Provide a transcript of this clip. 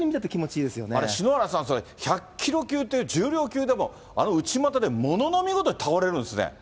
篠原さん、１００キロ級って、重量級でも、あの内股でものの見事に倒れるんですね。